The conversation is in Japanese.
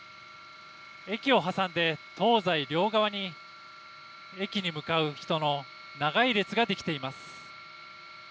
駅を挟んで東西両側に駅に向かう人の長い列ができています。